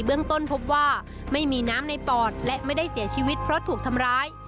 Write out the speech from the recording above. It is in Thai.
เรื่องต้นพบว่าไม่มีน้ำในปอดและไม่ได้เสียชีวิตเพราะถูกทำร้าย